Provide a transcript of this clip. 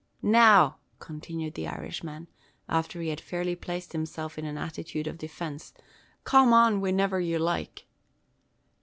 "Now," continued the Irishman, after he had fairly placed himself in an attitude of defence; "come an whiniver yer loike.